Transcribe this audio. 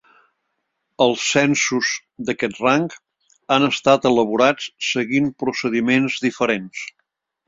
Els censos d'aquest rang han estat elaborats seguint procediments diferents.